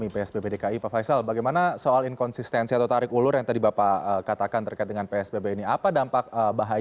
pak faisal nanti saya juga mau tahu